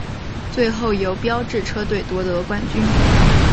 最后由标致车队夺得冠军。